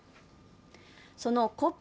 そのＣＯＰ